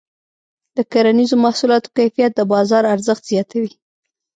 د کرنیزو محصولاتو کیفیت د بازار ارزښت زیاتوي.